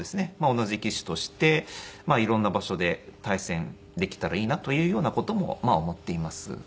同じ棋士として色んな場所で対戦できたらいいなというような事も思っています。